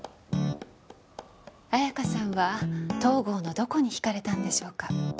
綾華さんは東郷のどこに惹かれたんでしょうか？